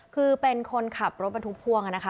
คือเป็นคนขับรถบรรทุกพ่วงนะคะ